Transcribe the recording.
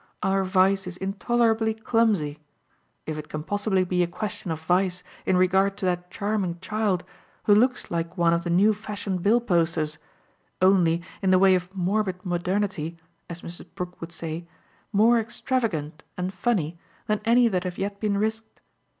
Our vice is intolerably clumsy if it can possibly be a question of vice in regard to that charming child, who looks like one of the new fashioned bill posters, only, in the way of 'morbid modernity,' as Mrs. Brook would say, more extravagant and funny than any that have yet been risked.